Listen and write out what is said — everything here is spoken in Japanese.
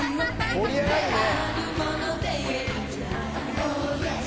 盛り上がるね。